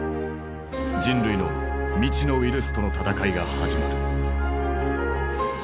人類の未知のウイルスとの闘いが始まる。